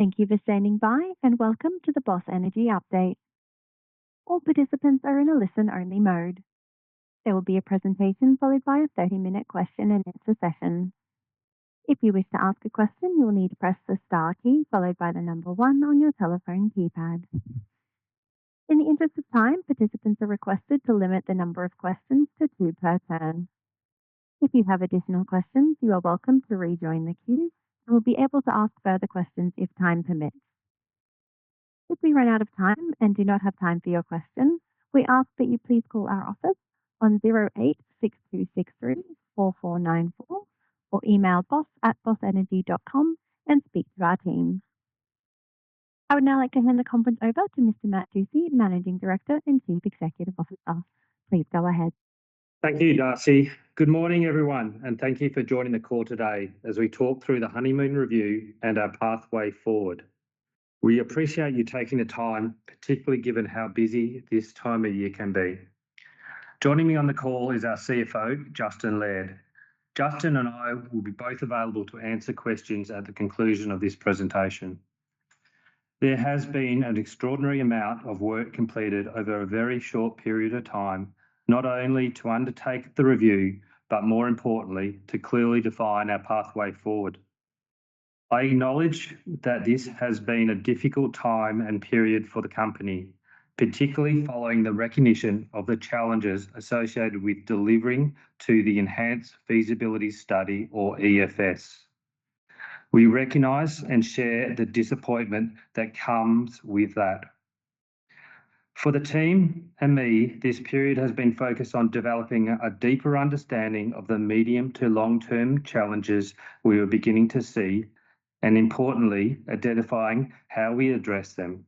Thank you for standing by, and welcome to the Boss Energy Update. All participants are in a listen-only mode. There will be a presentation followed by a 30-minute question-and-answer session. If you wish to ask a question, you will need to press the star key followed by the number one on your telephone keypad. In the interest of time, participants are requested to limit the number of questions to two per turn. If you have additional questions, you are welcome to rejoin the queue and will be able to ask further questions if time permits. If we run out of time and do not have time for your questions, we ask that you please call our office on 0862634494 or email boss@bossenergy.com and speak to our team. I would now like to hand the conference over to Mr. Matt Dusci, Managing Director and Chief Executive Officer. Please go ahead. Thank you, Darcy. Good morning, everyone, and thank you for joining the call today as we talk through the Honeymoon Review and our pathway forward. We appreciate you taking the time, particularly given how busy this time of year can be. Joining me on the call is our CFO, Justin Laird. Justin and I will be both available to answer questions at the conclusion of this presentation. There has been an extraordinary amount of work completed over a very short period of time, not only to undertake the review, but more importantly, to clearly define our pathway forward. I acknowledge that this has been a difficult time and period for the company, particularly following the recognition of the challenges associated with delivering to the Enhanced Feasibility Study, or EFS. We recognize and share the disappointment that comes with that. For the team and me, this period has been focused on developing a deeper understanding of the medium to long-term challenges we are beginning to see, and importantly, identifying how we address them.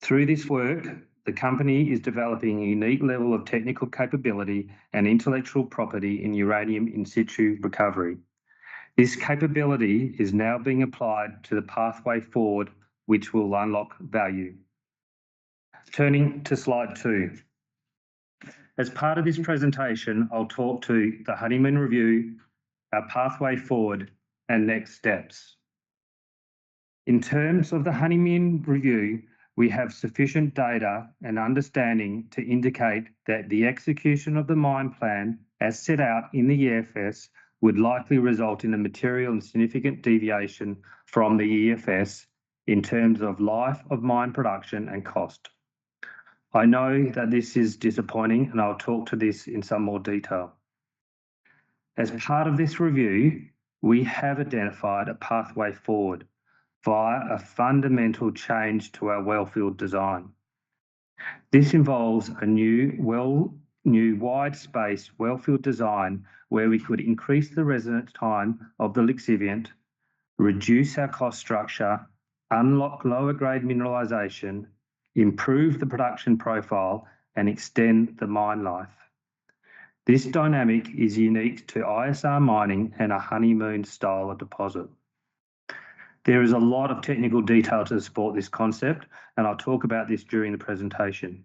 Through this work, the company is developing a unique level of technical capability and intellectual property in uranium in situ recovery. This capability is now being applied to the pathway forward, which will unlock value. Turning to slide two. As part of this presentation, I'll talk to the Honeymoon Review, our pathway forward, and next steps. In terms of the Honeymoon Review, we have sufficient data and understanding to indicate that the execution of the mine plan as set out in the EFS would likely result in a material and significant deviation from the EFS in terms of life of mine production and cost. I know that this is disappointing, and I'll talk to this in some more detail. As part of this review, we have identified a pathway forward via a fundamental change to our wellfield design. This involves a new wide-space wellfield design where we could increase the residence time of the lixiviant, reduce our cost structure, unlock lower-grade mineralization, improve the production profile, and extend the mine life. This dynamic is unique to ISR mining and a Honeymoon style of deposit. There is a lot of technical detail to support this concept, and I'll talk about this during the presentation.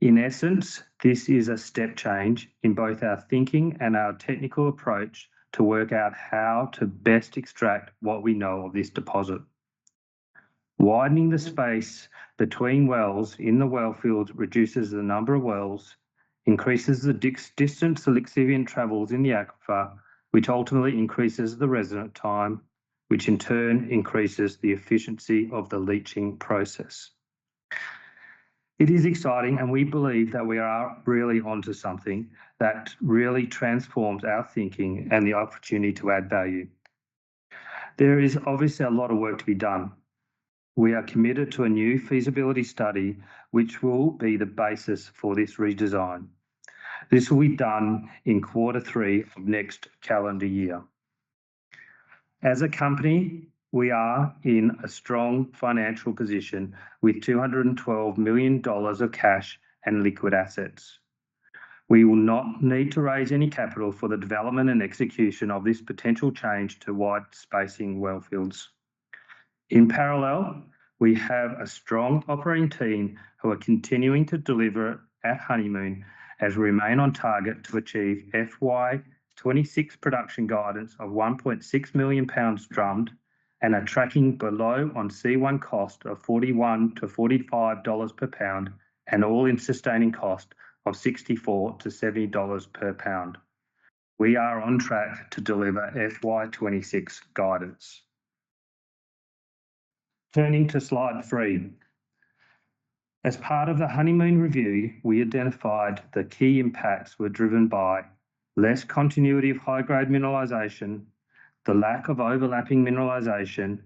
In essence, this is a step change in both our thinking and our technical approach to work out how to best extract what we know of this deposit. Widening the space between wells in the wellfield reduces the number of wells, increases the distance the lixiviant travels in the aquifer, which ultimately increases the residence time, which in turn increases the efficiency of the leaching process. It is exciting, and we believe that we are really onto something that really transforms our thinking and the opportunity to add value. There is obviously a lot of work to be done. We are committed to a new feasibility study, which will be the basis for this redesign. This will be done in Q3 of next calendar year. As a company, we are in a strong financial position with 212 million dollars of cash and liquid assets. We will not need to raise any capital for the development and execution of this potential change to wide-spacing wellfields. In parallel, we have a strong operating team who are continuing to deliver at Honeymoon as we remain on target to achieve FY 2026 production guidance of 1.6 million lbs drummed and tracking below on C1 cost of $41-45 per pound, and all-in sustaining cost of $64-70 per pound. We are on track to deliver FY 2026 guidance. Turning to slide three. As part of the Honeymoon Review, we identified the key impacts were driven by less continuity of high-grade mineralization, the lack of overlapping mineralization,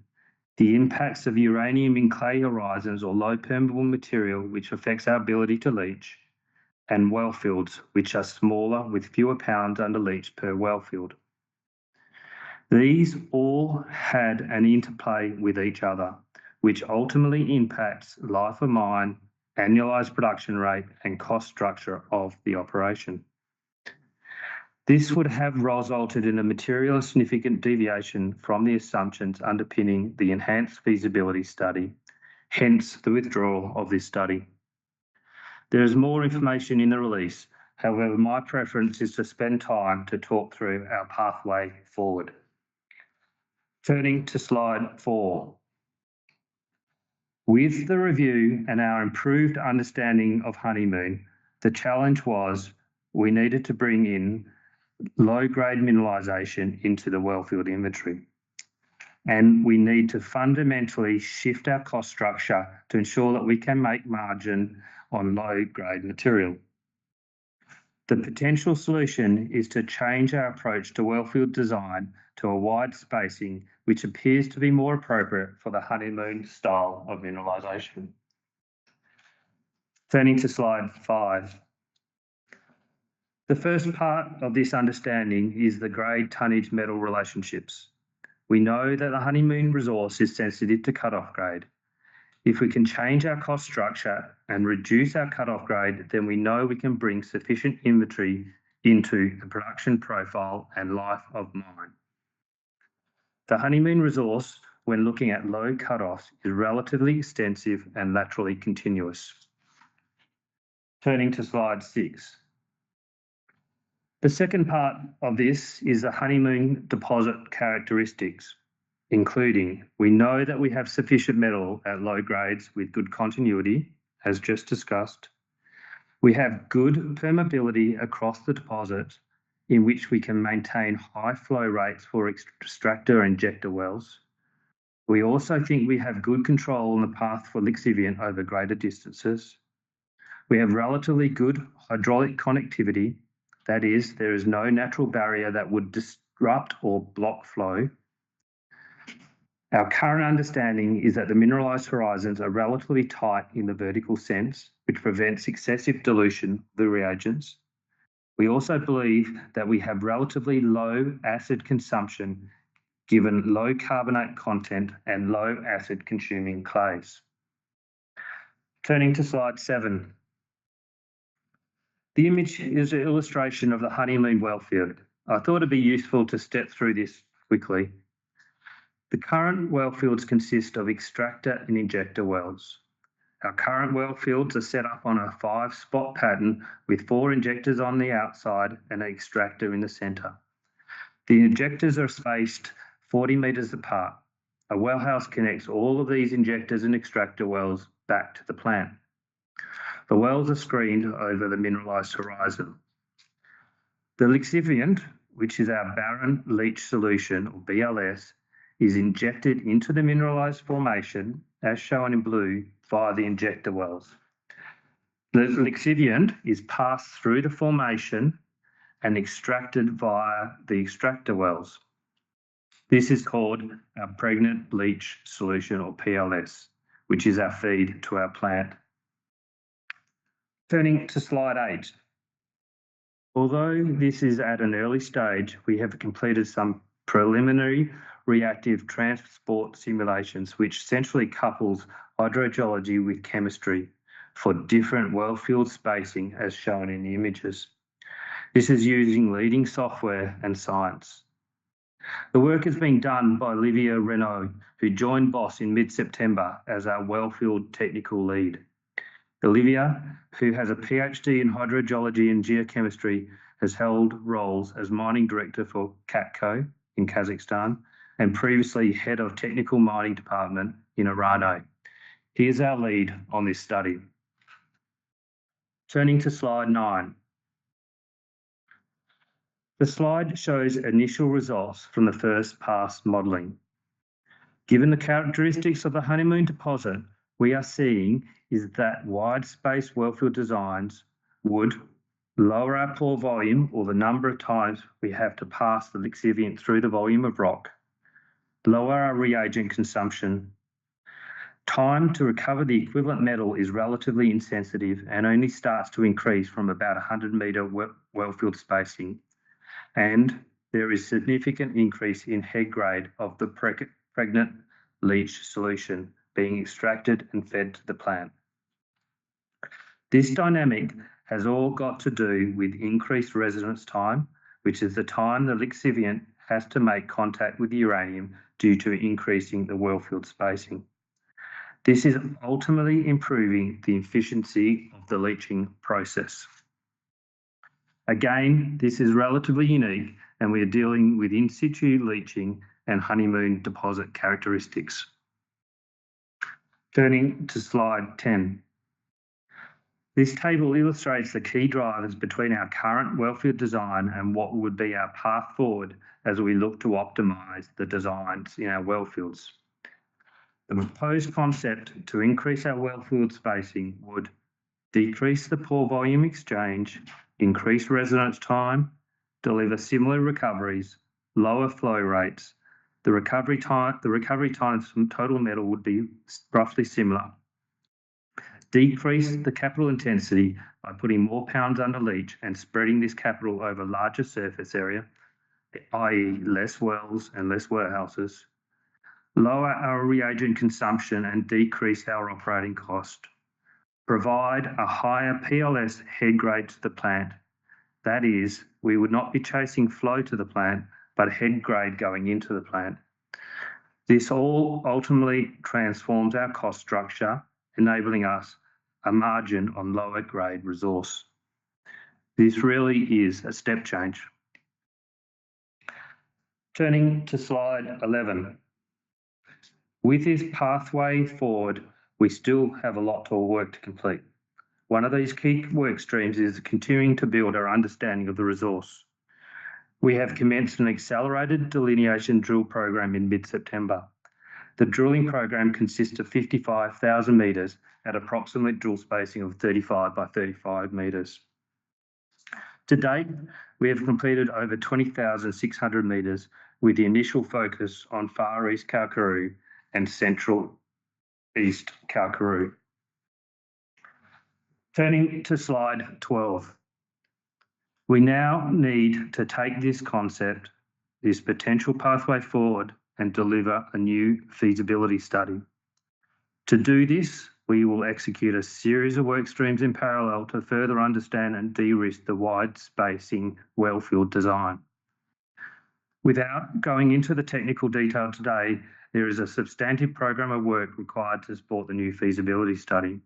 the impacts of uranium in clay horizons, or low-permeability material, which affects our ability to leach, and wellfields, which are smaller with fewer pounds under leach per wellfield. These all had an interplay with each other, which ultimately impacts life of mine, annualized production rate, and cost structure of the operation. This would have resulted in a material and significant deviation from the assumptions underpinning the Enhanced Feasibility Study, hence the withdrawal of this study. There is more information in the release. However, my preference is to spend time to talk through our pathway forward. Turning to slide four. With the review and our improved understanding of Honeymoon, the challenge was we needed to bring in low-grade mineralization into the wellfield inventory, and we need to fundamentally shift our cost structure to ensure that we can make margin on low-grade material. The potential solution is to change our approach to wellfield design to a wide spacing, which appears to be more appropriate for the Honeymoon style of mineralization. Turning to slide five. The first part of this understanding is the grade tonnage metal relationships. We know that the Honeymoon resource is sensitive to cut-off grade. If we can change our cost structure and reduce our cut-off grade, then we know we can bring sufficient inventory into the production profile and life of mine. The Honeymoon resource, when looking at low cut-offs, is relatively extensive and laterally continuous. Turning to slide six. The second part of this is the Honeymoon deposit characteristics, including we know that we have sufficient metal at low grades with good continuity, as just discussed. We have good permeability across the deposit, in which we can maintain high flow rates for extraction and injection wells. We also think we have good control on the path for lixiviant over greater distances. We have relatively good hydraulic connectivity. That is, there is no natural barrier that would disrupt or block flow. Our current understanding is that the mineralized horizons are relatively tight in the vertical sense, which prevents excessive dilution of the reagents. We also believe that we have relatively low acid consumption, given low carbonate content and low acid-consuming clays. Turning to slide seven. The image is an illustration of the Honeymoon wellfield. I thought it'd be useful to step through this quickly. The current wellfields consist of extractor and injector wells. Our current wellfields are set up on a five-spot pattern with four injectors on the outside and an extractor in the center. The injectors are spaced 40 m apart. A well house connects all of these injectors and extractor wells back to the plant. The wells are screened over the mineralized horizon. The lixiviant, which is our barren leach solution, or BLS, is injected into the mineralized formation, as shown in blue, via the injector wells. The lixiviant is passed through the formation and extracted via the extractor wells. This is called our pregnant leach solution, or PLS, which is our feed to our plant. Turning to slide eight. Although this is at an early stage, we have completed some preliminary reactive transport simulations, which essentially couples hydrogeology with chemistry for different wellfield spacing, as shown in the images. This is using leading software and science. The work is being done by Livio Renaud, who joined Boss in mid-September as our wellfield technical lead. Livio, who has a PhD in hydrogeology and geochemistry, has held roles as mining director for KATCO in Kazakhstan and previously head of technical mining department in Orano. He is our lead on this study. Turning to slide nine. The slide shows initial results from the first pass modeling. Given the characteristics of the Honeymoon deposit, we are seeing is that wide-space wellfield designs would lower our pore volume, or the number of times we have to pass the lixiviant through the volume of rock, lower our reagent consumption. Time to recover the equivalent metal is relatively insensitive and only starts to increase from about 100 m wellfield spacing, and there is significant increase in head grade of the pregnant leach solution being extracted and fed to the plant. This dynamic has all got to do with increased residence time, which is the time the lixiviant has to make contact with uranium due to increasing the wellfield spacing. This is ultimately improving the efficiency of the leaching process. Again, this is relatively unique, and we are dealing with in-situ leaching and Honeymoon deposit characteristics. Turning to slide 10. This table illustrates the key drivers between our current wellfield design and what would be our path forward as we look to optimize the designs in our wellfields. The proposed concept to increase our wellfield spacing would decrease the pore volume exchange, increase residence time, deliver similar recoveries, lower flow rates. The recovery times from total metal would be roughly similar. Decrease the capital intensity by putting more pounds under leach and spreading this capital over larger surface area, i.e., less wells and less warehouses. Lower our reagent consumption and decrease our operating cost. Provide a higher PLS head grade to the plant. That is, we would not be chasing flow to the plant, but head grade going into the plant. This all ultimately transforms our cost structure, enabling us a margin on lower-grade resource. This really is a step change. Turning to slide 11. With this pathway forward, we still have a lot of work to complete. One of these key work streams is continuing to build our understanding of the resource. We have commenced an accelerated delineation drill program in mid-September. The drilling program consists of 55,000 m at approximate drill spacing of 35x35 m. To date, we have completed over 20,600 m with the initial focus on East Kalkaroo and Central East Kalkaroo. Turning to slide 12. We now need to take this concept, this potential pathway forward, and deliver a new feasibility study. To do this, we will execute a series of work streams in parallel to further understand and de-risk the wide-spacing wellfield design. Without going into the technical detail today, there is a substantive program of work required to support the new feasibility study.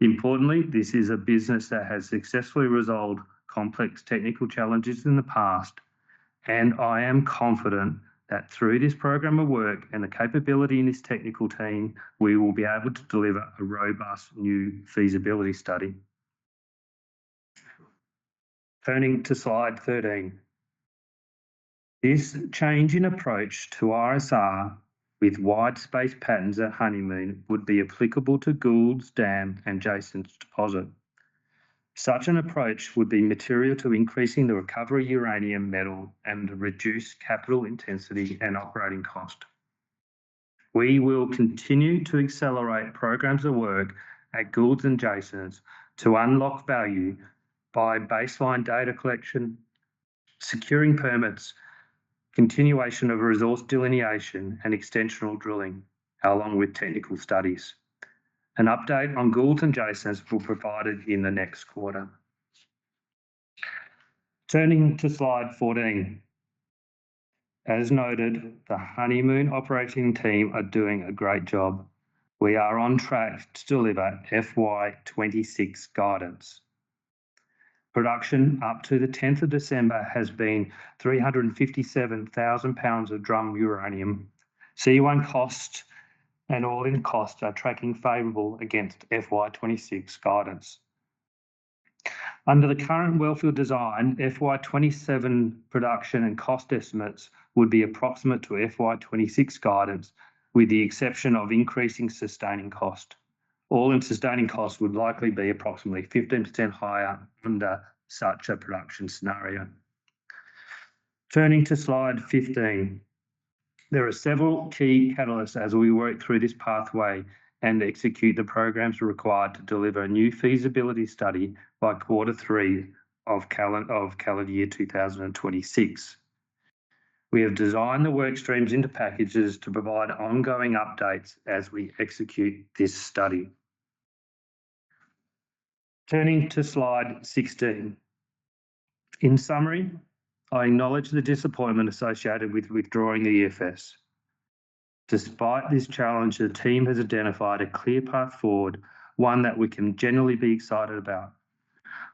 Importantly, this is a business that has successfully resolved complex technical challenges in the past, and I am confident that through this program of work and the capability in this technical team, we will be able to deliver a robust new feasibility study. Turning to slide 13. This change in approach to ISR with wide-space patterns at Honeymoon would be applicable to Gould's Dam and Jason's Deposit. Such an approach would be material to increasing the recovery uranium metal and reduce capital intensity and operating cost. We will continue to accelerate programs of work at Gould's and Jason's to unlock value by baseline data collection, securing permits, continuation of resource delineation, and extensional drilling, along with technical studies. An update on Gould's and Jason's will be provided in the next quarter. Turning to slide 14. As noted, the Honeymoon operating team are doing a great job. We are on track to deliver FY 2026 guidance. Production up to 10 December has been 357,000 pounds of drummed uranium. C1 cost and all-in cost are tracking favorable against FY 2026 guidance. Under the current wellfield design, FY 2027 production and cost estimates would be approximate to FY 2026 guidance, with the exception of increasing sustaining cost. All-in sustaining cost would likely be approximately 15% higher under such a production scenario. Turning to slide 15. There are several key catalysts as we work through this pathway and execute the programs required to deliver a new feasibility study by Q3 of calendar year 2026. We have designed the work streams into packages to provide ongoing updates as we execute this study. Turning to slide 16. In summary, I acknowledge the disappointment associated with withdrawing the EFS. Despite this challenge, the team has identified a clear path forward, one that we can generally be excited about.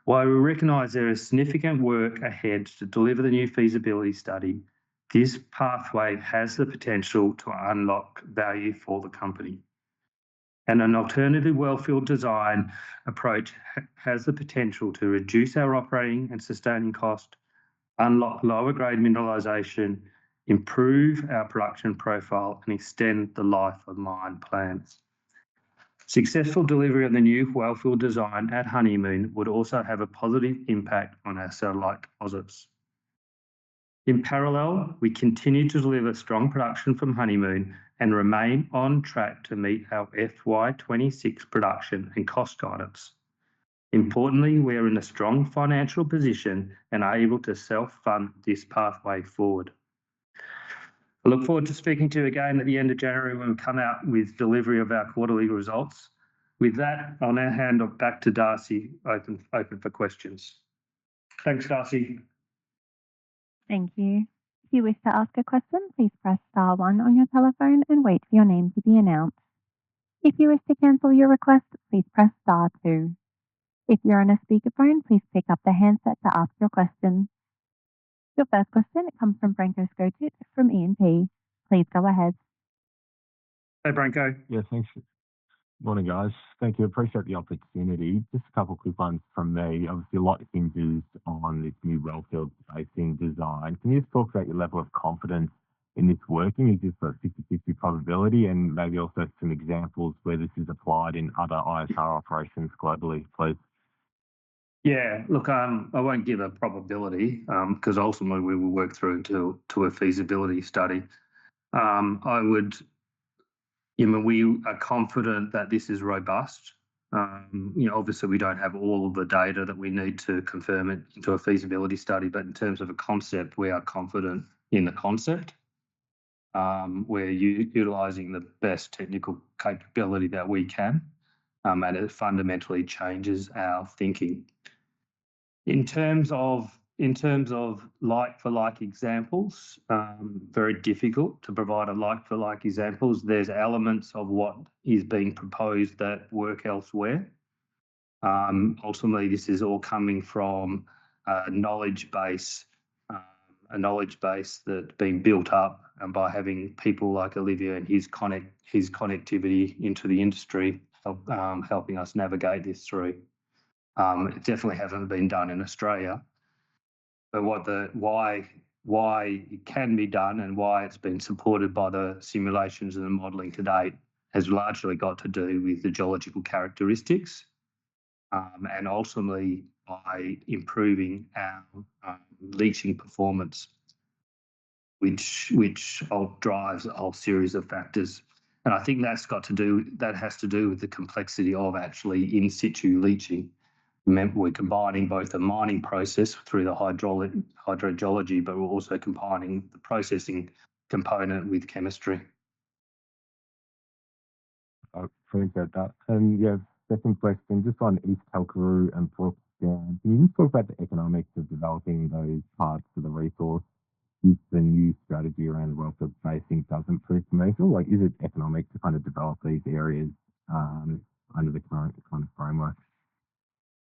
While we recognize there is significant work ahead to deliver the new feasibility study, this pathway has the potential to unlock value for the company. An alternative wellfield design approach has the potential to reduce our operating and sustaining cost, unlock lower-grade mineralization, improve our production profile, and extend the life of mine plants. Successful delivery of the new wellfield design at Honeymoon would also have a positive impact on our satellite deposits. In parallel, we continue to deliver strong production from Honeymoon and remain on track to meet our FY 2026 production and cost guidance. Importantly, we are in a strong financial position and are able to self-fund this pathway forward. I look forward to speaking to you again at the end of January when we come out with delivery of our quarterly results. With that, I'll now hand it back to Darcy, open for questions. Thanks, Darcy. Thank you. If you wish to ask a question, please press star one on your telephone and wait for your name to be announced. If you wish to cancel your request, please press star two. If you're on a speakerphone, please pick up the handset to ask your question. Your first question comes from Branko Skocic from E&P. Please go ahead. Hey, Branko. Yeah, thanks. Good morning, guys. Thank you. Appreciate the opportunity. Just a couple of quick ones from me. Obviously, a lot of things used on this new wellfield spacing design. Can you just talk about your level of confidence in this working? Is this a 50/50 probability? Maybe also some examples where this is applied in other ISR operations globally, please. Yeah. I won't give a probability because ultimately we will work through to a feasibility study. We are confident that this is robust. Obviously, we don't have all of the data that we need to confirm it into a feasibility study, but in terms of a concept, we are confident in the concept where you're utilizing the best technical capability that we can, and it fundamentally changes our thinking. In terms of like-for-like examples, very difficult to provide like-for-like examples. There's elements of what is being proposed that work elsewhere. Ultimately, this is all coming from a knowledge base that's been built up by having people like Livio and his connectivity into the industry helping us navigate this through. It definitely hasn't been done in Australia. Why it can be done and why it's been supported by the simulations and the modeling to date has largely got to do with the geological characteristics and ultimately by improving our leaching performance, which drives a whole series of factors. I think that has to do with the complexity of actually in-situ leaching. We're combining both the mining process through the hydrogeology, but we're also combining the processing component with chemistry. Great. Yeah, second question, just on East Kalkaroo and Brooks Dam, can you just talk about the economics of developing those parts of the resource if the new strategy around wellfield spacing doesn't prove commercial? Is it economic to develop these areas under the current framework?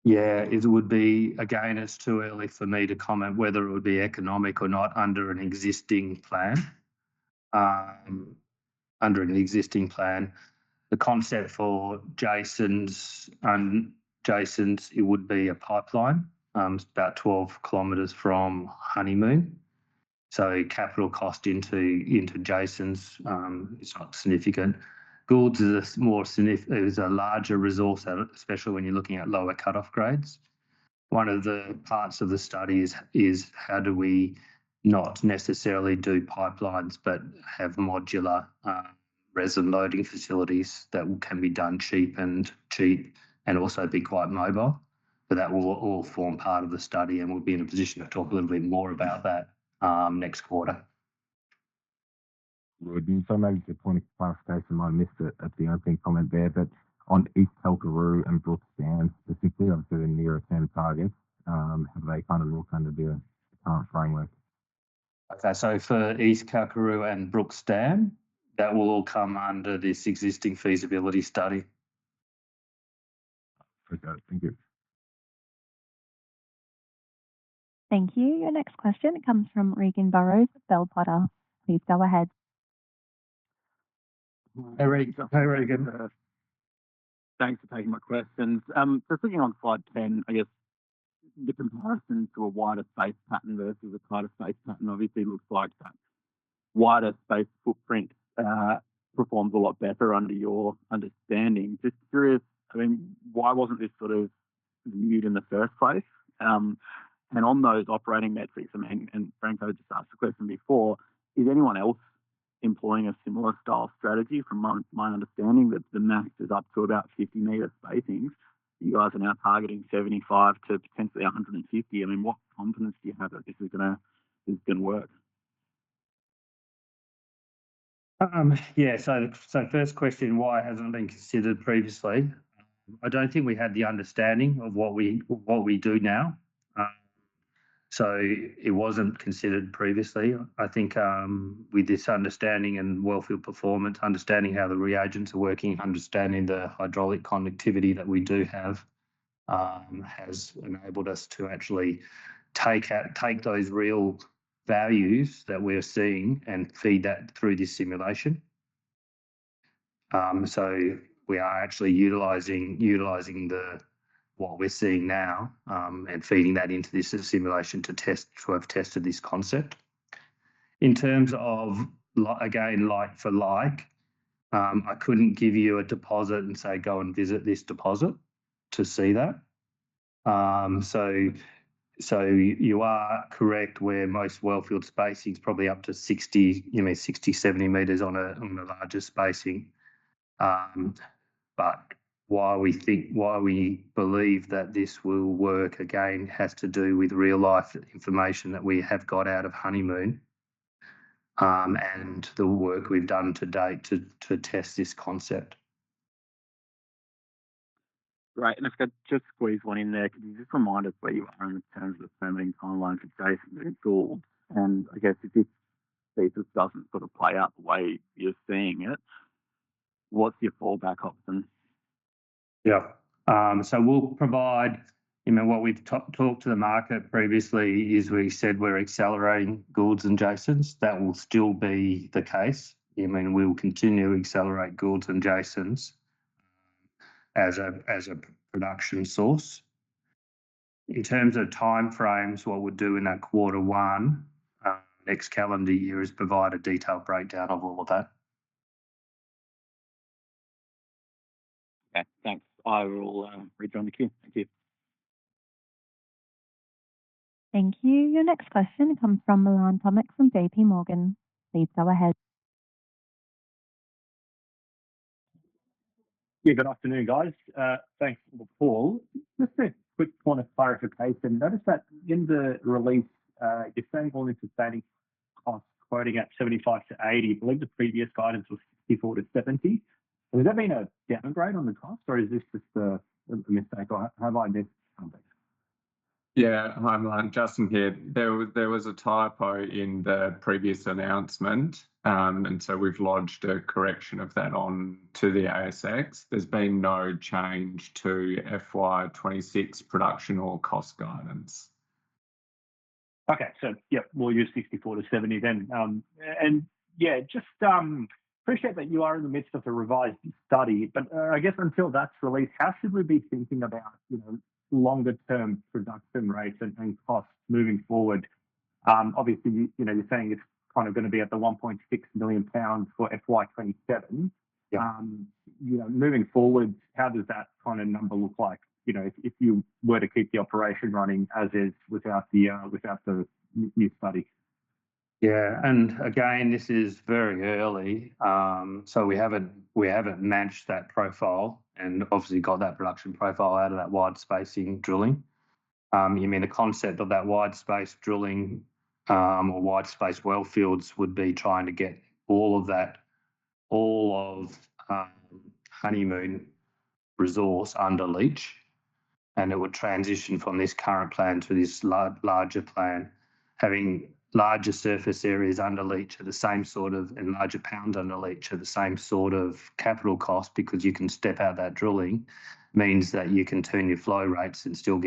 Again, it's too early for me to comment whether it would be economic or not under an existing plan. The concept for Jason's, it would be a pipeline. It's about 12 km from Honeymoon. Capital cost into Jason's is not significant. Gould's is a larger resource, especially when you're looking at lower cut-off grades. One of the parts of the study is how do we not necessarily do pipelines, but have modular resin loading facilities that can be done cheap and cheap and also be quite mobile. That will all form part of the study. We'll be in a position to talk a little bit more about that next quarter. Maybe for point of clarification, I might miss the opening comment there, but on East Kalkaroo and Brooks Dam specifically, obviously the nearer center targets, have they all come to be a current framework? Okay, so for East Kalkaroo and Brooks Dam, that will all come under this existing feasibility study. Appreciate it. Thank you. Thank you. Your next question comes from Regan Burrows with Bell Potter. Please go ahead. Hey, Regan. Thanks for taking my questions. Speaking on slide 10, I guess the comparison to a wider space pattern versus a tighter space pattern, obviously looks like that wider space footprint performs a lot better under your understanding. Just curious, why wasn't this viewed in the first place? On those operating metrics, Branko just asked the question before. Is anyone else employing a similar style strategy? From my understanding, the max is up to about 50 m spacings. You guys are now targeting 75 m to potentially 150 m. What confidence do you have that this is going to work? First question: why hasn't it been considered previously? I don't think we had the understanding of what we do now. It wasn't considered previously. I think with this understanding and wellfield performance, understanding how the reagents are working, understanding the hydraulic connectivity that we do have has enabled us to actually take those real values that we're seeing and feed that through this simulation. We are actually utilizing what we're seeing now and feeding that into this simulation to test this concept. In terms of like-for-like, I couldn't give you a deposit and say, "Go and visit this deposit to see that." You are correct where most wellfield spacing is probably up to 60 m, 70 m on the largest spacing. Why we think, why we believe that this will work again has to do with real-life information that we have got out of Honeymoon and the work we've done to date to test this concept. Right. If I could just squeeze one in there, could you just remind us where you are in terms of the permitting timeline for Jason's and Gould's? If this doesn't play out the way you're seeing it, what's your fallback option? Yeah. What we've talked to the market previously is we said we're accelerating Gould's and Jason's. That will still be the case. We will continue to accelerate Gould's and Jason's as a production source. In terms of timeframes, what we'll do in that Q1 next calendar year is provide a detailed breakdown of all of that. Okay. Thanks. I will rejoin the queue. Thank you. Thank you. Your next question comes from Milan Tomic from JPMorgan. Please go ahead. Yeah, good afternoon, guys. Thanks for the call. Just a quick point of clarification. Notice that in the release, you're saying all-in sustaining costs quoting at 75-80. I believe the previous guidance was 64-70. Has there been a downgrade on the cost, or is this just a mistake? Have I missed something? Yeah, hi, Milan. Justin here. There was a typo in the previous announcement, and so we've lodged a correction of that on to the ASX. There's been no change to FY 2026 production or cost guidance. Okay. We'll use 64-70 then. Just appreciate that you are in the midst of a revised study, but I guess until that's released, how should we be thinking about longer-term production rates and costs moving forward? Obviously, you're saying it's going to be at the 1.6 million for FY 2027. Moving forward, how does that kind of number look like if you were to keep the operation running as is without the new study? Yeah. Again, this is very early so we haven't matched that profile and obviously got that production profile out of that wide spacing drilling. You mean the concept of that wide space drilling or wide space wellfields would be trying to get all of Honeymoon resource under leach, and it would transition from this current plan to this larger plan. Having larger surface areas under leach are the same and larger pound under leach are the same capital cost because you can step out that drilling means that you can turn your flow rates and still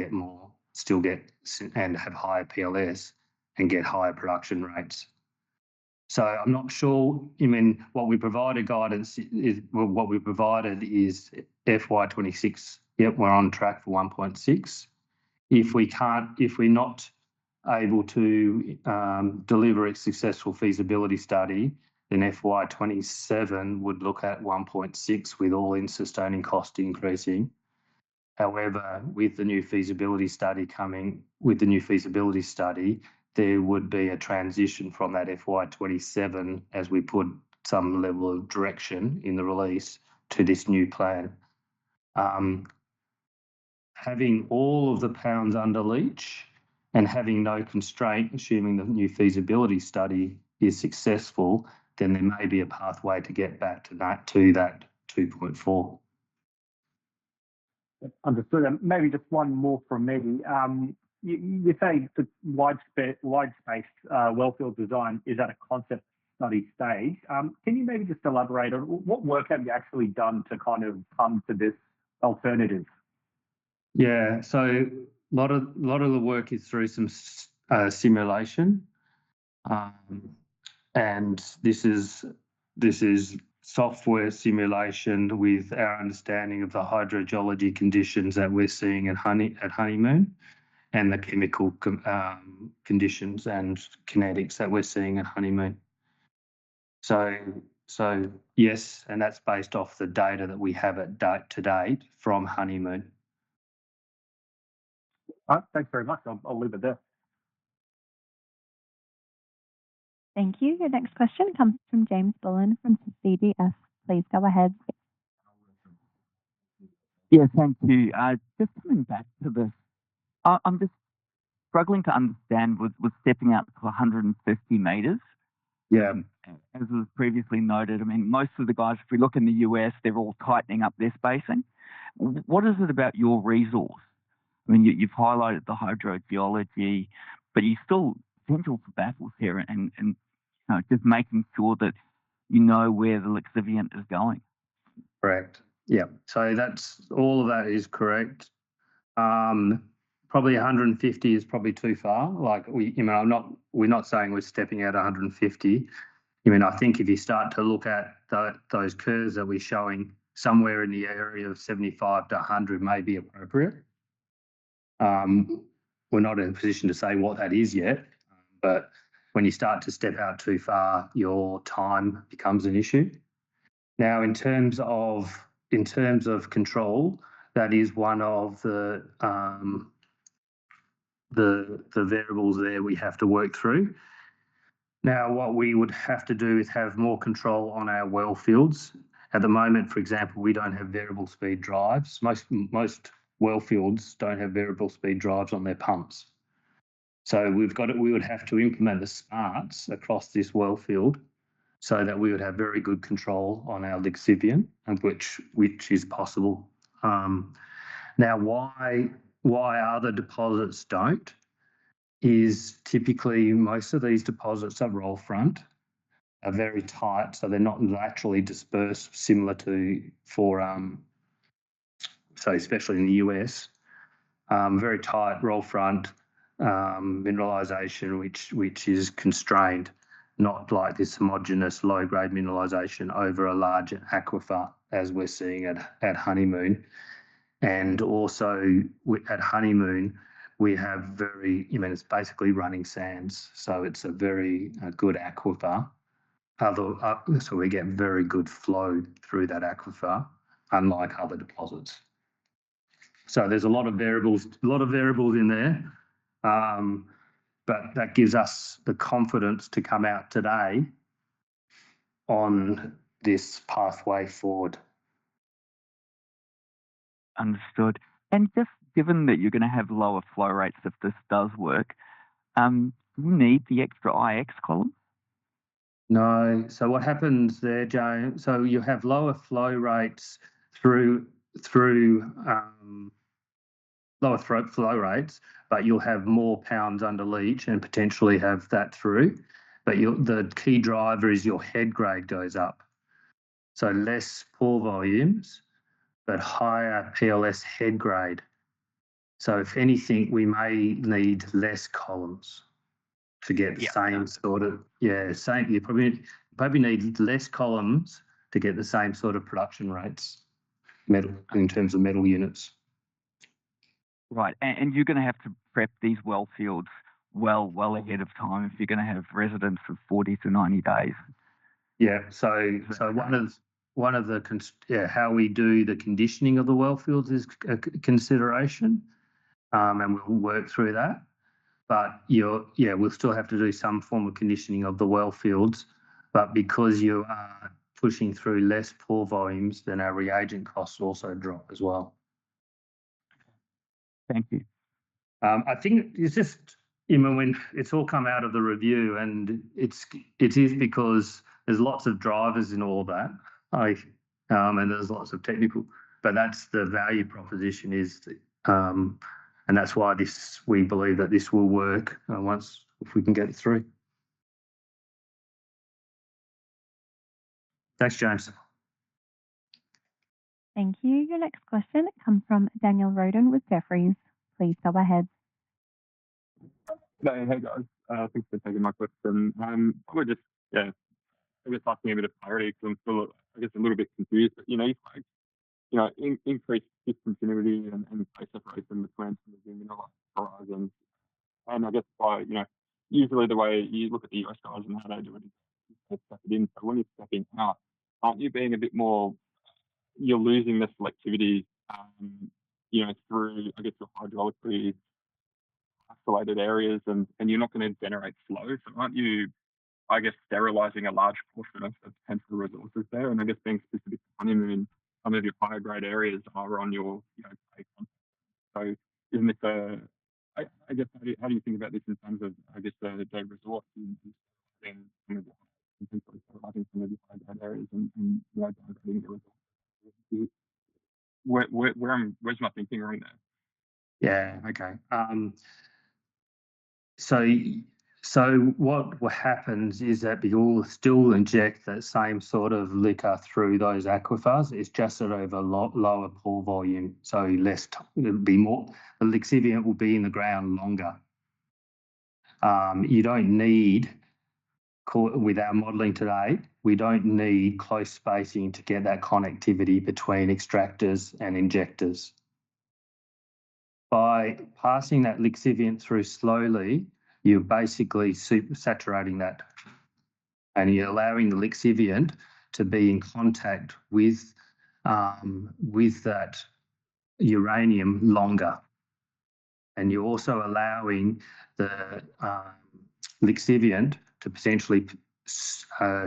have higher PLS and get higher production rates. I'm not sure. What we provided guidance is FY 2026. Yep, we're on track for 1.6. If we're not able to deliver a successful feasibility study, then FY 2027 would look at 1.6 with all-in sustaining cost increasing. However, with the new feasibility study coming, there would be a transition from that FY 2027 as we put some level of direction in the release to this new plan. Having all of the pounds under leach and having no constraint, assuming the new feasibility study is successful, then there may be a pathway to get back to that 2.4. Understood. Maybe just one more from me. You say the wide space wellfield design is at a concept study stage. Can you maybe just elaborate on what work have you actually done to come to this alternative? Yeah. A lot of the work is through some simulation. This is software simulation with our understanding of the hydrogeology conditions that we're seeing at Honeymoon and the chemical conditions and kinetics that we're seeing at Honeymoon. That's based off the data that we have to date from Honeymoon. All right. Thanks very much. I'll leave it there. Thank you. Your next question comes from James Bullen from CGF. Please go ahead. Yeah, thank you. Just coming back to this. I'm just struggling to understand with stepping out to 150 m. As was previously noted, most of the guys, if we look in the U.S., they're all tightening up their spacing. What is it about your resource? You've highlighted the hydrogeology, but you still. Potential for battles here and just making sure that you know where the lixiviant is going. Correct. Yeah. All of that is correct. Probably 150 m is probably too far. We're not saying we're stepping out 150 m. I think if you start to look at those curves that we're showing, somewhere in the area of 75-100 m may be appropriate. We're not in a position to say what that is yet, but when you start to step out too far, your time becomes an issue. Now, in terms of control, that is one of the variables there we have to work through. Now, what we would have to do is have more control on our wellfields. At the moment, for example, we don't have variable speed drives. Most wellfields don't have variable speed drives on their pumps. We would have to implement the smarts across this wellfield so that we would have very good control on our lixiviant, which is possible. Now, why other deposits don't is typically most of these deposits are roll front, are very tight, so they're not naturally dispersed similar to, so especially in the U.S., very tight roll front mineralization, which is constrained, not like this homogeneous low-grade mineralization over a larger aquifer as we're seeing at Honeymoon. Also at Honeymoon, it's basically running sands, so it's a very good aquifer. We get very good flow through that aquifer, unlike other deposits. There's a lot of variables in there, but that gives us the confidence to come out today on this pathway forward. Understood. Just given that you're going to have lower flow rates if this does work, do you need the extra IX column? No. What happens there, James,o you have lower flow rates, but you'll have more pounds under leach and potentially have that through. The key driver is your head grade goes up. Less pore volumes, but higher PLS head grade. If anything, we may need less columns to get the same. You probably need less columns to get the same production rates in terms of metal units. Right. You're going to have to prep these wellfields well ahead of time if you're going to have residence for 40-90 days. Yeah. How we do the conditioning of the wellfields is a consideration, and we'll work through that. We'll still have to do some form of conditioning of the wellfields, but because you are pushing through less pore volumes, then our reagent costs also drop as well. Thank you. I think it's just when it's all come out of the review, and it is because there's lots of drivers in all of that, and there's lots of technical, but that's the value proposition, and that's why we believe that this will work once we can get it through. Thanks, James. Thank you. Your next question, it comes from Daniel Roden with Jefferies. Please go ahead. Hey, guys. Thanks for taking my question. I'm just asking a bit of clarity because I'm still a little bit confused. You've had increased discontinuity and separation between some of the mineral horizons. Usually the way you look at the US guys and how they do it is you step it in. When you're stepping out, you're losing the selectivity through your hydraulically isolated areas, and you're not going to generate flow. Aren't you sterilizing a large portion of potential resources there? I guess being specific to Honeymoon, some of your higher grade areas are on your plate. How do you think about this in terms of the resource and potentially sterilizing some of your higher grade areas and why are you dividing the resource? Where's my thinking wrong there? Yeah. Okay. What happens is that we'll still inject that same sort of lixiviant through those aquifers. It's just that over lower pore volume, so lixiviant will be in the ground longer. Without modeling today, we don't need close spacing to get that connectivity between extractors and injectors. By passing that lixiviant through slowly, you're basically saturating that. You're allowing the lixiviant to be in contact with that uranium longer. You're also allowing the lixiviant to potentially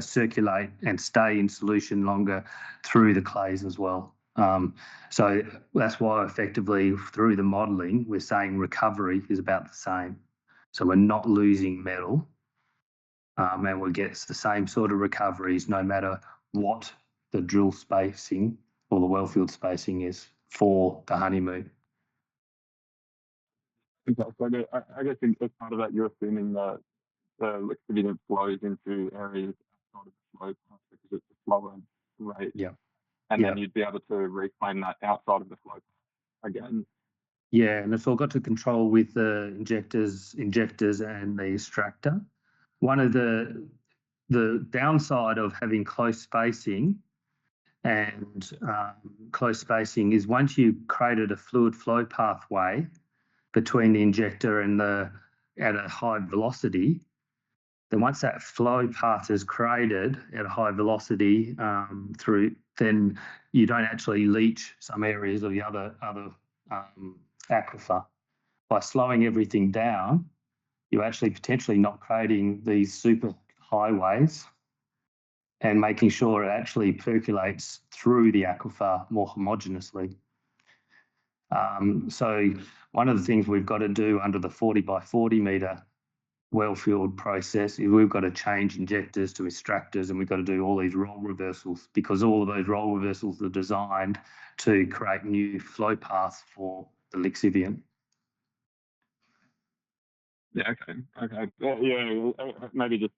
circulate and stay in solution longer through the clays as well. That's why effectively through the modeling, we're saying recovery is about the same. We're not losing metal, and we'll get the same recoveries no matter what the drill spacing or the wellfield spacing is for the Honeymoon. I guess in this part of that, you're assuming that the lixiviant flows into areas outside of the flow path because it's a slower rate. You'd be able to reclaim that outside of the flow path again. Yeah. It's all got to control with the injectors and the extractor. One of the downsides of having close spacing and close spacing is once you've created a fluid flow pathway between the injector and the extractor at a high velocity, then once that flow path is created at a high velocity through, then you don't actually leach some areas of the other aquifer. By slowing everything down, you're actually potentially not creating these super highways and making sure it actually percolates through the aquifer more homogenously. One of the things we've got to do under the 40x40 m wellfield process is we've got to change injectors to extractors, and we've got to do all these role reversals because all of those role reversals are designed to create new flow paths for the lixiviant. Yeah. Okay. Maybe just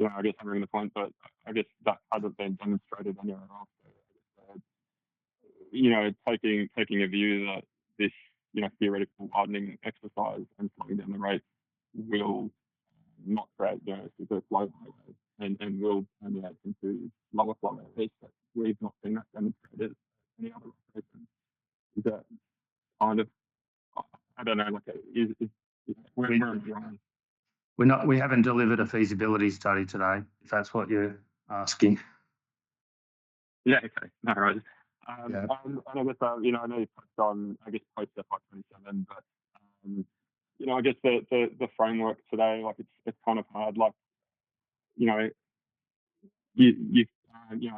hammering the point, but I guess that hasn't been demonstrated anywhere else. Taking a view that this theoretical hardening exercise and slowing down the rate will not create the flow pathway and will turn that into lower flow rates, but we've not seen that demonstrated at any other location. Is that [inaudible] We haven't delivered a feasibility study today, if that's what you're asking. Yeah. Okay. No worries. I know you touched on post FY 2027, but the framework today, it's hard. I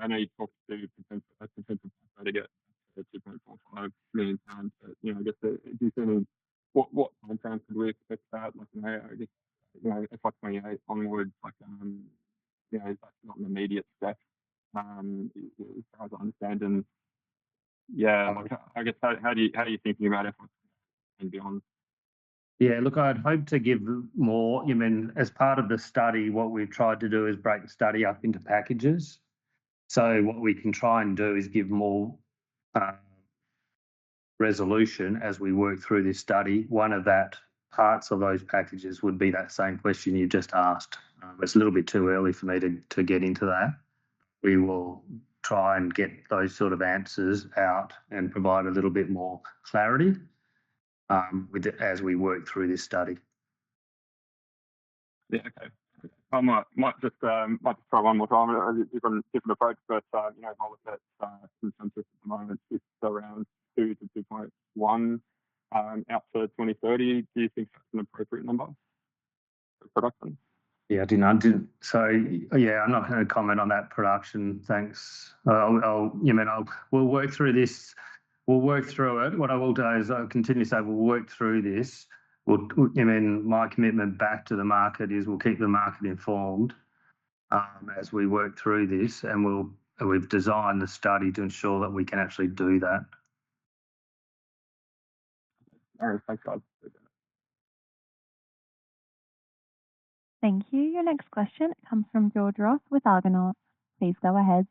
know you talked to potential pathway to get to 2.45 million lbs, but I guess do you see any what timeframe could we expect that? I guess FY 2028 onwards, is that still an immediate step? As far as I understand, and yeah, I guess how are you thinking about FY 2028 and beyond? Yeah. Look, I'd hope to give more. As part of the study, what we've tried to do is break the study up into packages. What we can try and do is give more resolution as we work through this study. One of those parts of those packages would be that same question you just asked. It's a little bit too early for me to get into that. We will try and get those answers out and provide a little bit more clarity as we work through this study. Yeah. Okay. I might just try one more time with a different approach, but I'll look at consensus at the moment around 2-2.1 out to 2030. Do you think that's an appropriate number for production? Yeah. I'm not going to comment on that production. We'll work through this. We'll work through it. What I will do is I'll continue to say we'll work through this. My commitment back to the market is we'll keep the market informed as we work through this, and we've designed the study to ensure that we can actually do that. All right. Thanks, guys. Thank you. Your next question, it comes from George Ross with Argonaut. Please go ahead.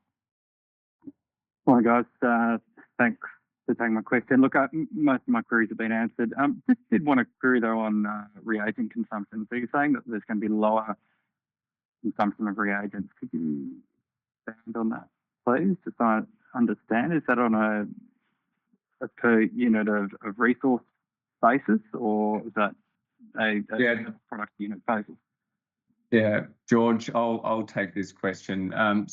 Hi, guys. Thanks for taking my question. Most of my queries have been answered. Just did want to query though on reagent consumption. You're saying that there's going to be lower consumption of reagents. Could you expand on that, please? Just so I understand, is that on a per unit of resource basis, or is that a product unit basis? Yeah. George, I'll take this question. On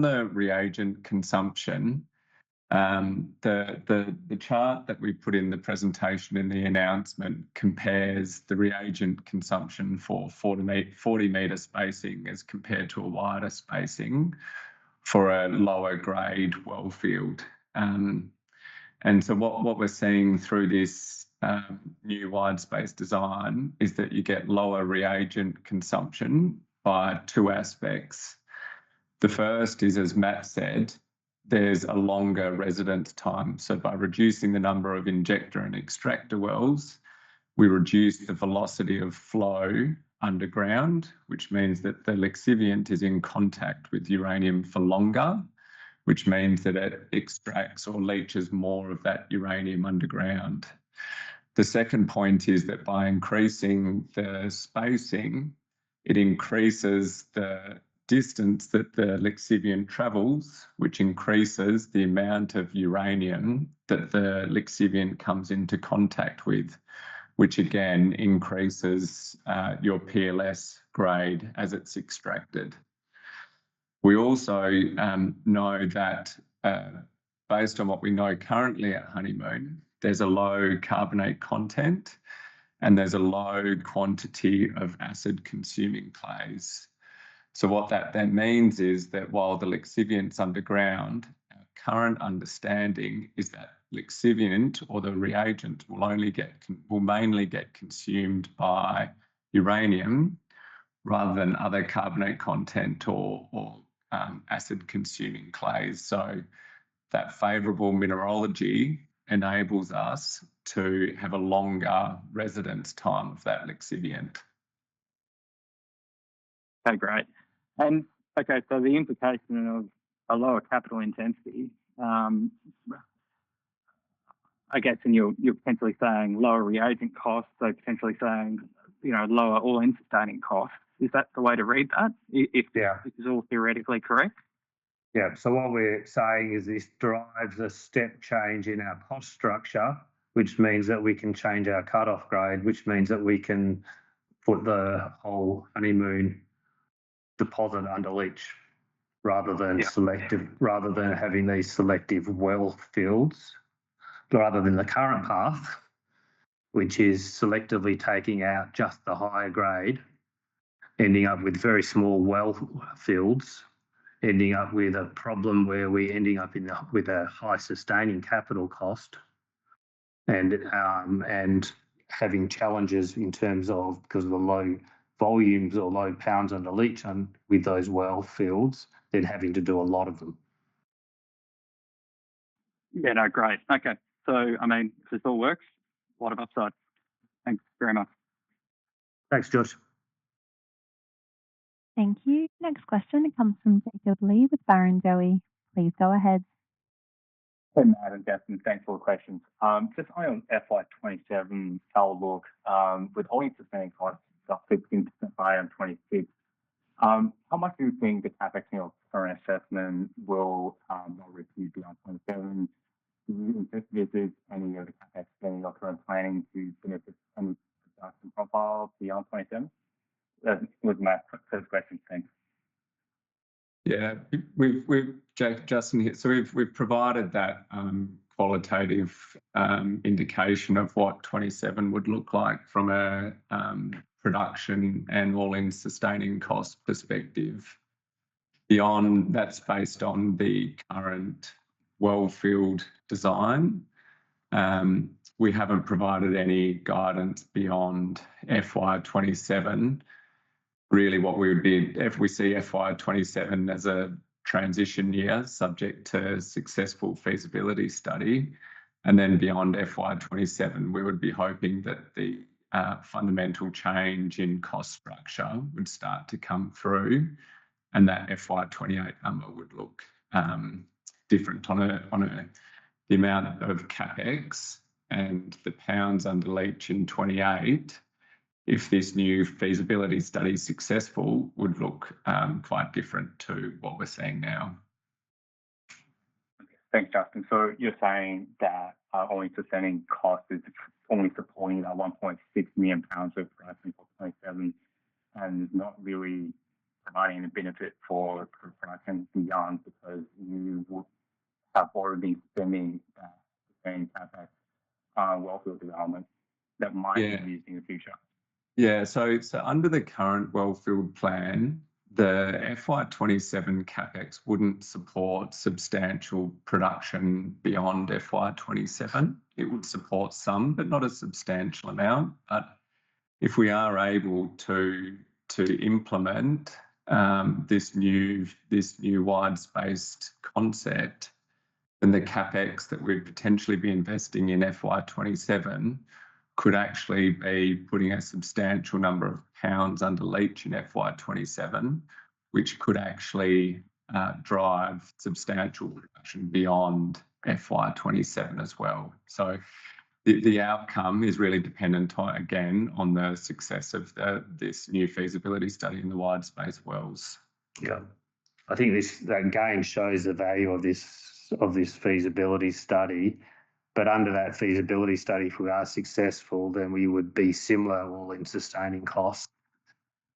the reagent consumption, the chart that we put in the presentation in the announcement compares the reagent consumption for 40 m spacing as compared to a wider spacing for a lower grade wellfield. What we're seeing through this new wide space design is that you get lower reagent consumption by two aspects. The first is, as Matt said, there's a longer residence time. By reducing the number of injector and extractor wells, we reduce the velocity of flow underground, which means that the lixiviant is in contact with uranium for longer, which means that it extracts or leaches more of that uranium underground. The second point is that by increasing the spacing, it increases the distance that the lixiviant travels, which increases the amount of uranium that the lixiviant comes into contact with, which again increases your PLS grade as it's extracted. We also know that based on what we know currently at Honeymoon, there's a low carbonate content, and there's a low quantity of acid-consuming clays. What that then means is that while the lixiviant's underground, our current understanding is that lixiviant or the reagent will mainly get consumed by uranium rather than other carbonate content or acid-consuming clays. That favorable mineralogy enables us to have a longer residence time of that lixiviant. Okay. Great. The implication of a lower capital intensity, you're potentially saying lower reagent costs, so potentially saying lower all-in sustaining costs. Is that the way to read that? Is this all theoretically correct? Yeah. What we're saying is this drives a step change in our cost structure, which means that we can change our cut-off grade, which means that we can put the whole Honeymoon deposit under leach rather than having these selective wellfields, rather than the current path, which is selectively taking out just the higher grade, ending up with very small wellfields, ending up with a problem where we're ending up with a high sustaining capital cost and having challenges in terms of because of the low volumes or low pounds under leach with those wellfields, then having to do a lot of them. Yeah. No. Great. Okay. If this all works, a lot of upside. Thanks very much. Thanks, George. Thank you. Next question, it comes from Jacob Li with Barrenjoey. Please go ahead. Hey, Matt and Justin. Thanks for the questions. Just eyeing on FY 2027 sale [inaudible] with all the existing costs up to 2025. How much do you think the CapEx and your current assessment will be on 2027? Is there any other CapEx that you're planning to submit to some profile beyond 2027? That was my first question. Thanks. Yeah. Justin here. We've provided that qualitative indication of what 2027 would look like from a production and all-in sustaining cost perspective. Beyond that's based on the current wellfield design. We haven't provided any guidance beyond FY 2027. Really, what we would be if we see FY 2027 as a transition year, subject to successful feasibility study. Beyond FY 2027, we would be hoping that the fundamental change in cost structure would start to come through, and that FY 2028 number would look different on the amount of CapEx and the pounds under leach in 2028, if this new feasibility study is successful, would look quite different to what we're seeing now. Thanks, Justin. You're saying that all-in sustaining cost is only supporting that 1.6 million lbs of pricing for 2027 and not really providing any benefit for pricing beyond because you have already been spending that CapEx on wellfield development that might be used in the future? Yeah. Under the current wellfield plan, the FY 2027 CapEx wouldn't support substantial production beyond FY 2027. It would support some, but not a substantial amount. If we are able to implement this new wide-spaced concept, then the CapEx that we'd potentially be investing in FY 2027 could actually be putting a substantial number of pounds under leach in FY 2027, which could actually drive substantial production beyond FY 2027 as well. The outcome is really dependent, again, on the success of this new feasibility study in the wide-spaced wells. Yeah. I think that again shows the value of this feasibility study. Under that feasibility study, if we are successful, then we would be similar all-in sustaining cost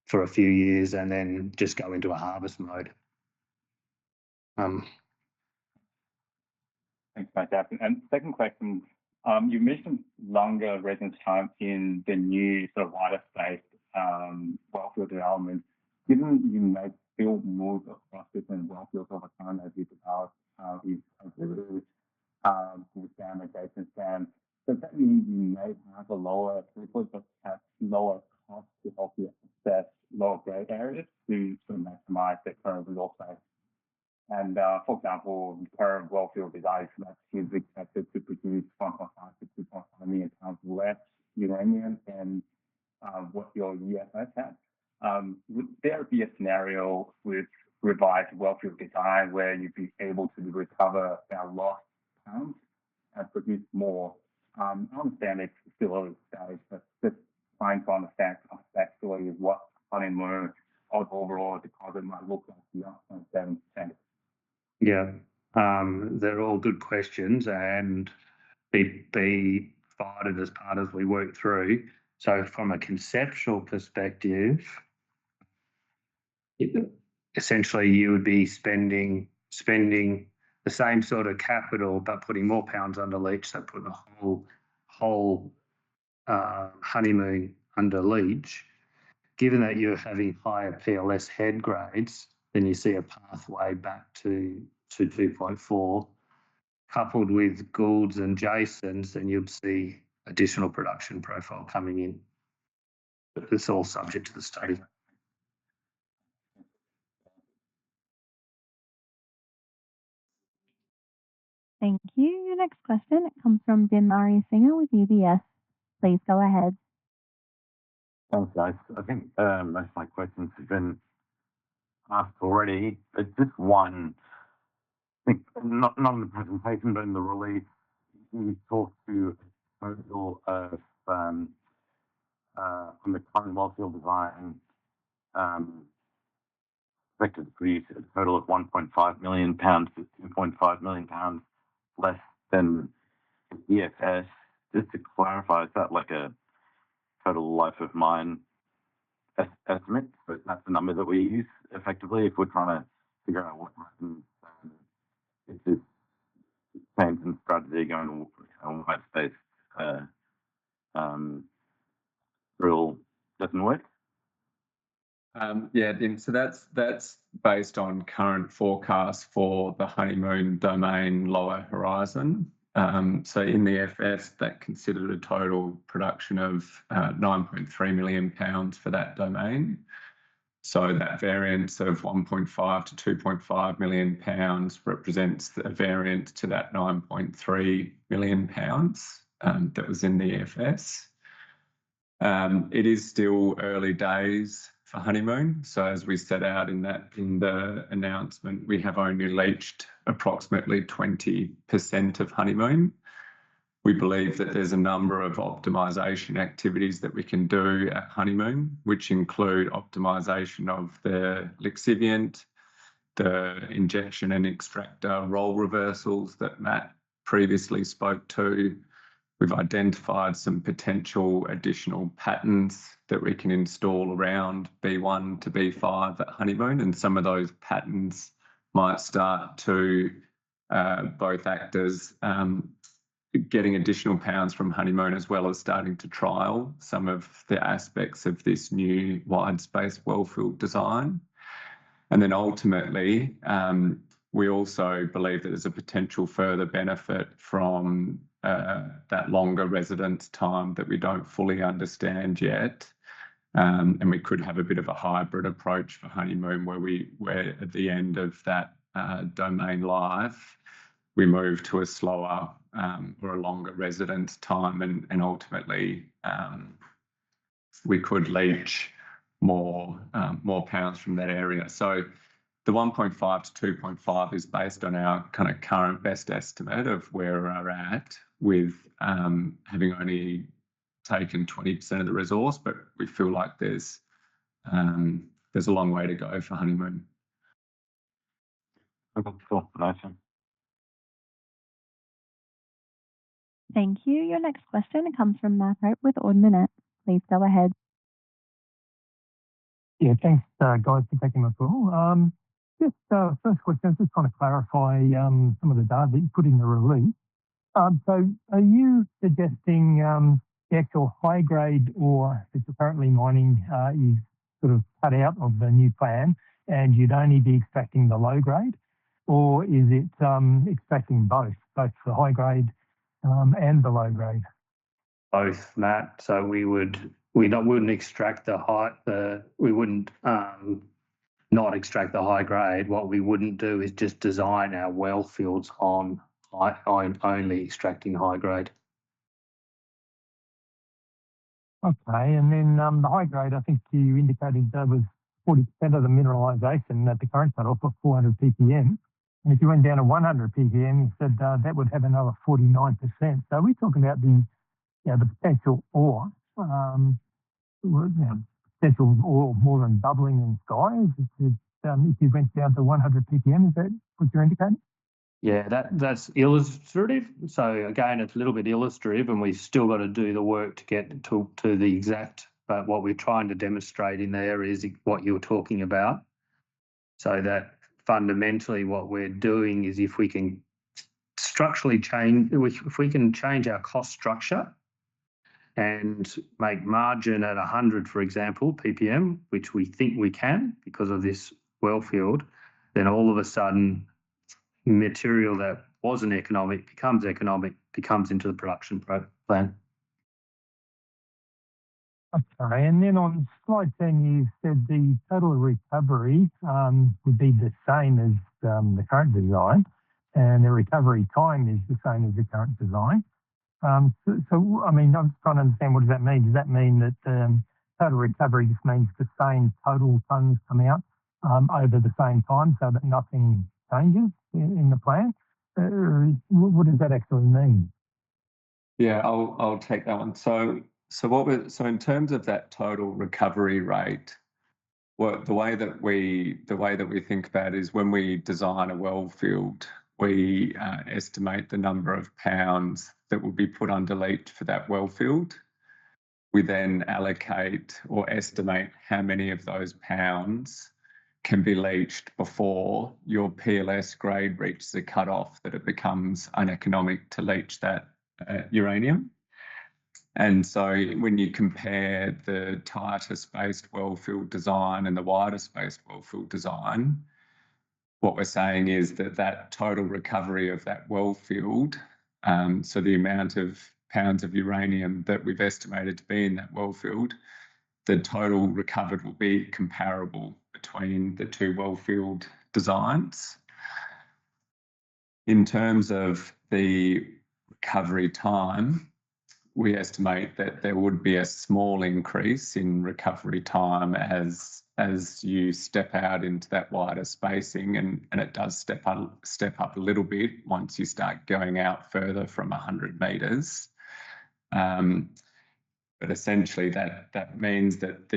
for a few years and then just go into a harvest mode. Thanks, Matt. Second question, you mentioned longer residence time in the new wider-spaced wellfield development. Given you may build more across different wellfields over time as you develop these reserves within the Honeymoon, [inaudible] does that mean you may have a lower throughput but have lower costs to help you assess lower grade areas to maximize their current resource space? For example, the current wellfield design is expected to produce 1.5-2.5 lbs less uranium than what your EFS had. Would there be a scenario with revised wellfield design where you'd be able to recover that lost pounds and produce more? I understand it's still early study, but just trying to understand aspects of what Honeymoon overall deposit might look like beyond FY 2027. Yeah. They're all good questions, and they'll be provided as part of it as we work through. From a conceptual perspective, essentially, you would be spending the same sort of capital but putting more pounds under leach, so putting the whole Honeymoon under leach. Given that you're having higher PLS head grades, then you see a pathway back to 2.4. Coupled with Gould's and Jason's, then you'd see additional production profile coming in, but it's all subject to the study. Thank you. Your next question comes from [Neeraj Singh] with UBS. Please go ahead. Thanks, guys. I think most of my questions have been asked already. Just one, I think not in the presentation, but in the release, you talked to a total of on the current wellfield design, expected to produce a total of 1.5 million lbs less than EFS. Just to clarify, is that like a total life of mine estimate? That's the number that we use effectively if we're trying to figure out what happens if this change in strategy going on wide-spaced drill doesn't work? Yeah. That's based on current forecasts for the Honeymoon domain lower horizon. In the EFS, that considered a total production of 9.3 million lbs for that domain. That variance of 1.5 million-2.5 million lbs represents the variance to that 9.3 million lbs that was in the EFS. It is still early days for Honeymoon. As we set out in the announcement, we have only leached approximately 20% of Honeymoon. We believe that there's a number of optimization activities that we can do at Honeymoon, which include optimization of the lixiviant, the injection and extractor roll reversals that Matt previously spoke to. We've identified some potential additional patterns that we can install around B1 to B5 at Honeymoon. Some of those patterns might start to both act as getting additional pounds from Honeymoon as well as starting to trial some of the aspects of this new wide-spaced wellfield design. Ultimately, we also believe that there's a potential further benefit from that longer residence time that we don't fully understand yet. We could have a bit of a hybrid approach for Honeymoon where at the end of that domain life, we move to a slower or a longer residence time, and ultimately, we could leach more pounds from that area. The 1.5-2.5 is based on our current best estimate of where we're at with having only taken 20% of the resource, but we feel like there's a long way to go for Honeymoon. Thank you. Your next question, it comes from Matt Hope with Ord Minnett. Please go ahead. Thanks, guys, for taking the call. Just first question, I'm just trying to clarify some of the data that you put in the release. Are you suggesting actual high grade, or ISR mining is cut out of the new plan, and you'd only be extracting the low grade? Is it extracting both the high grade and the low grade? Both, Matt. We wouldn't not extract the high grade. What we wouldn't do is just design our wellfields on only extracting high grade. Okay. The high grade, I think you indicated that was 40% of the mineralization at the current cut-off of 400 ppm. If you went down to 100 ppm, you said that would have another 49%. Are we talking about the potential ore more than doubling in size if you went down to 100 ppm is what you indicated? Yeah. That's illustrative. Again, it's a little bit illustrative, and we've still got to do the work to get to the exact. What we're trying to demonstrate in there is what you were talking about. Fundamentally, what we're doing is if we can change our cost structure and make margin at 100, for example, ppm, which we think we can because of this wellfield, then all of a sudden, material that wasn't economic becomes economic and becomes into the production plan. Okay. On slide 10, you said the total recovery would be the same as the current design, and the recovery time is the same as the current design. I'm just trying to understand what does that mean. Does that mean that total recovery just means the same total funds come out over the same time so that nothing changes in the plan? What does that actually mean? Yeah. I'll take that one. In terms of that total recovery rate, the way that we think about it is when we design a wellfield, we estimate the number of pounds that would be put under leach for that wellfield. We then allocate or estimate how many of those pounds can be leached before your PLS grade reaches a cut-off that it becomes uneconomic to leach that uranium. When you compare the tighter spaced wellfield design and the wider spaced wellfield design, what we're saying is that total recovery of that wellfield, the amount of pounds of uranium that we've estimated to be in that wellfield, the total recovered will be comparable between the two wellfield designs. In terms of the recovery time, we estimate that there would be a small increase in recovery time as you step out into that wider spacing, and it does step up a little bit once you start going out further from 100 m. Essentially, that means that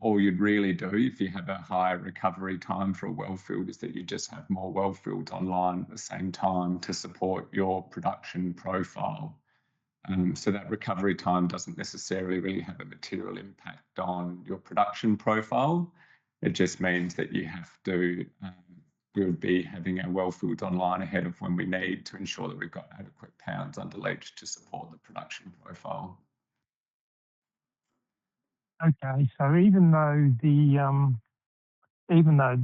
all you'd really do if you have a higher recovery time for a wellfield is that you just have more wellfields online at the same time to support your production profile. That recovery time doesn't necessarily really have a material impact on your production profile. It just means that you would be having a wellfield online ahead of when we need to ensure that we've got adequate pounds under leach to support the production profile. Okay. Even though the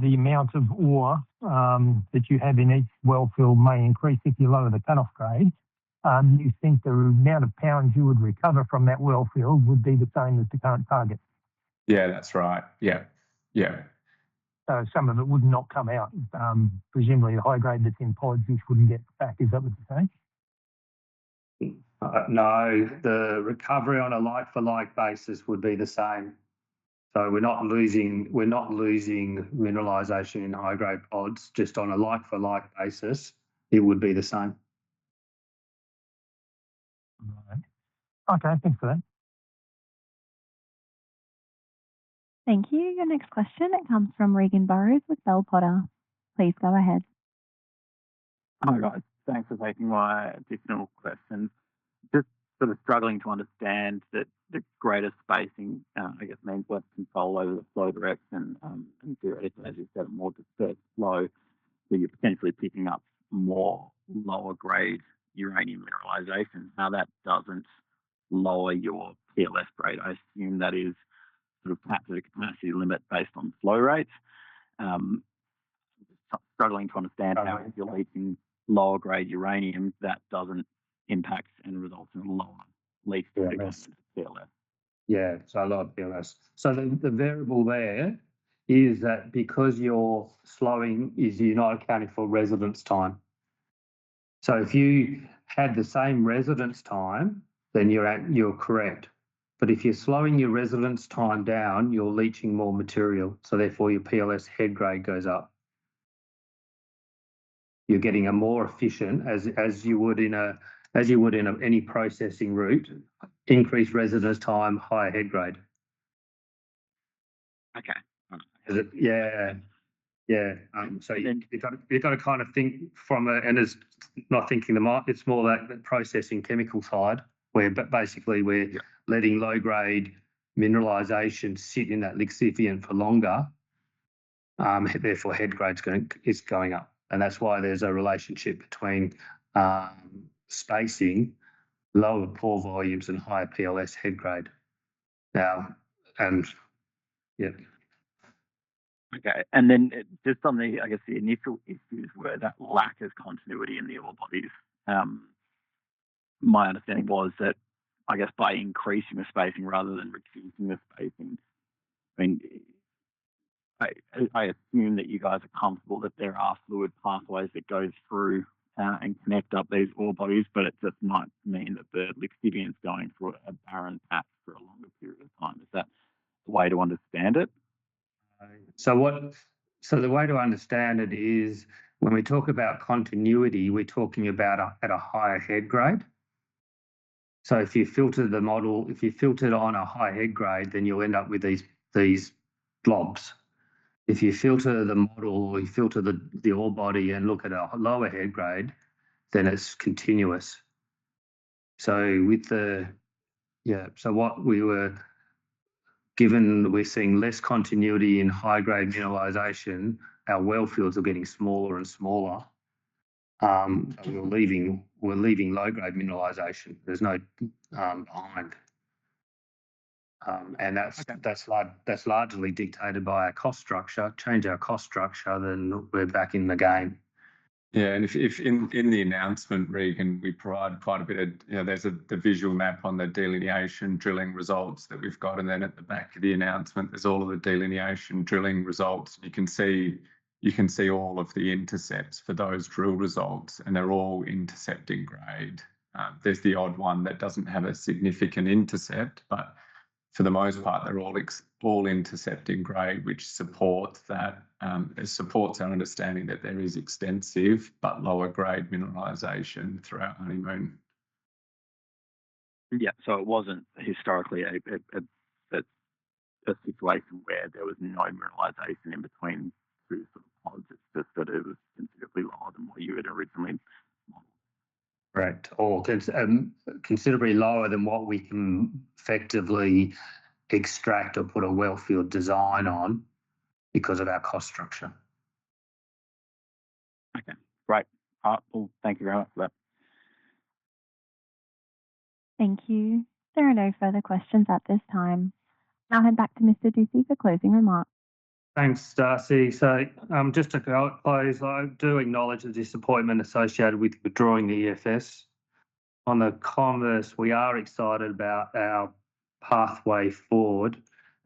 amount of ore that you have in each wellfield may increase if you lower the cut-off grade, you think the amount of pounds you would recover from that wellfield would be the same as the current target? Yeah. That's right. Yeah. Some of it would not come out, presumably the high grade that's in pods, which wouldn't get back, is that what you're saying? No. The recovery on a like-for-like basis would be the same. We're not losing mineralization in high grade pods. Just on a like-for-like basis, it would be the same. All right. Okay. Thanks for that. Thank you. Your next question, it comes from Regan Burrows with Bell Potter. Please go ahead. Hi, guys. Thanks for taking my additional question. Struggling to understand that the greater spacing means less control over the flow direction and theoretically, as you said, a more dispersed flow. You're potentially picking up more lower grade uranium mineralization, how that doesn't lower your PLS grade. I assume that is capped at a capacity limit based on flow rates. Struggling to understand how if you're leaching lower grade uranium, that doesn't impact and results in lower leaching figures for PLS. Yeah. A lot of PLS. The variable there is that because you're slowing, you're not accounting for residence time. If you had the same residence time, then you're correct. If you're slowing your residence time down, you're leaching more material. Therefore, your PLS head grade goes up. You're getting a more efficient, as you would in any processing route, increased residence time, higher head grade. Yeah. It's not thinking the market, it's more like the processing chemical side where basically we're letting low grade mineralization sit in that lixiviant for longer. Therefore, head grade is going up. That's why there's a relationship between spacing, lower pore volumes, and higher PLS head grade now. Okay. On the initial issues were that lack of continuity in the ore bodies. My understanding was that by increasing the spacing rather than reducing the spacing. I assume that you guys are comfortable that there are fluid pathways that go through and connect up these ore bodies, but it just might mean that the lixiviant's going through a barren patch for a longer period of time. Is that the way to understand it? The way to understand it is when we talk about continuity, we're talking about at a higher head grade. If you filter the model, if you filter it on a high head grade, then you'll end up with these blobs. If you filter the model, you filter the ore body and look at a lower head grade, then it's continuous. What we were given, we're seeing less continuity in high grade mineralization. Our wellfields are getting smaller and smaller. We're leaving low grade mineralization. There's no [inaudible] behind. That's largely dictated by our cost structure. Change our cost structure, then we're back in the game. Yeah. In the announcement, Regan, we provide quite a bit. There's the visual map on the delineation drilling results that we've got, and then at the back of the announcement, there's all of the delineation drilling results. You can see all of the intercepts for those drill results, and they're all intercepting grade. There's the odd one that doesn't have a significant intercept, but for the most part, they're all intercepting grade, which supports our understanding that there is extensive but lower grade mineralization throughout Honeymoon. Yeah. It wasn't historically a situation where there was no mineralization in between two pods. It's just that it was considerably lower than what you had originally modeled. Right, or considerably lower than what we can effectively extract or put a wellfield design on because of our cost structure. Okay. Great. All right. Well, thank you very much for that. Thank you. There are no further questions at this time. I'll hand back to Mr. Dusci for closing remarks. Thanks, Darcy. Just to close out, I do acknowledge the disappointment associated with withdrawing the EFS. On the converse, we are excited about our pathway forward.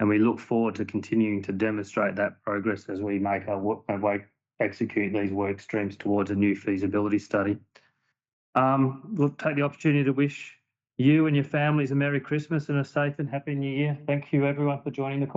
We look forward to continuing to demonstrate that progress as we make our work execute these workstreams towards a new feasibility study. We'll take the opportunity to wish you and your families a Merry Christmas and a safe and happy New Year. Thank you, everyone, for joining the call.